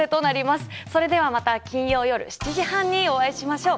それではまた金曜夜７時半にお会いしましょう。